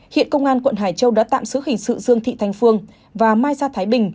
hiện công an quận hải châu đã tạm giữ hình sự dương thị thanh phương và mai gia thái bình